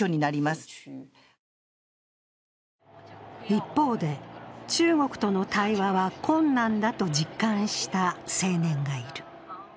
一方で、中国との対話は困難だと実感した青年がいる。